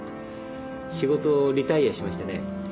仕事をリタイアしましてね。